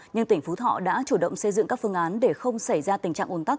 nhưng tỉnh phú thọ đã chủ động xây dựng các phương án để không xảy ra tình trạng ồn tắc